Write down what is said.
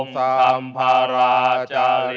ครับ